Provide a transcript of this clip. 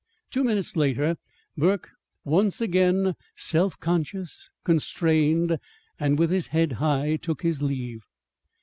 Two minutes later, Burke, once again self conscious, constrained, and with his head high, took his leave.